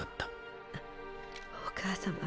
お母様